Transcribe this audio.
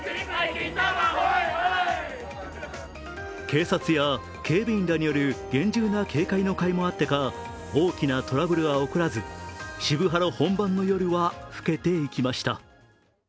警察や警備員らによる厳重な警戒のかいもあってか、大きなトラブルは起こらず渋ハロ本番の夜は更けていきました。